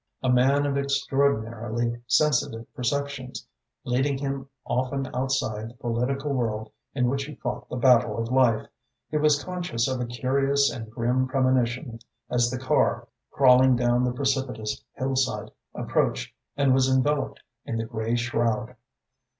A man of extraordinarily sensitive perceptions, leading him often outside the political world in which he fought the battle of life, he was conscious of a curious and grim premonition as the car, crawling down the precipitous hillside, approached and was enveloped in the grey shroud.